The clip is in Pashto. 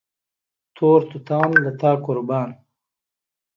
تور توتان له تا قربان